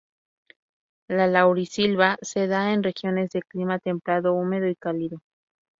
La laurisilva se da en regiones de clima templado húmedo y cálido.